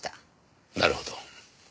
なるほど。